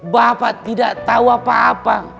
bapak tidak tahu apa apa